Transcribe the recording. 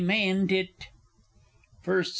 Mayn't it? _First S.